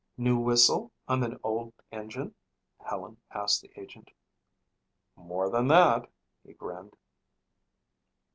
"New whistle on the old engine?" Helen asked the agent. "More than that," he grinned.